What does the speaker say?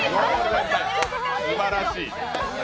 すばらしい！